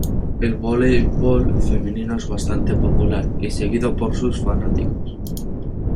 El voleibol femenino es bastante popular y seguido por sus fanáticos.